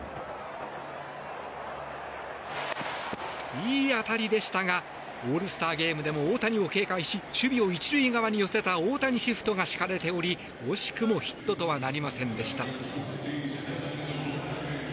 いい当たりでしたがオールスターゲームでも大谷を警戒し守備を１塁側に寄せた大谷シフトが敷かれており惜しくもヒットとはなりませんでした。